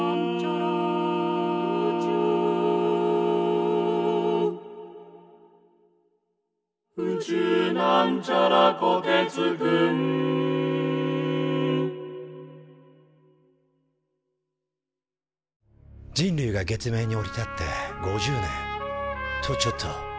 「宇宙」人類が月面に降り立って５０年とちょっと。